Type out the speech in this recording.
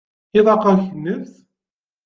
Iḍaq-ak nnefs?